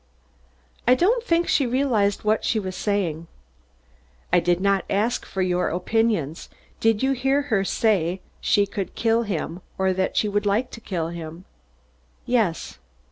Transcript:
"I don't think she realized what she was saying." "I did not ask for your opinions. Did you hear her say she could kill him or that she would like to kill him?" "Yes."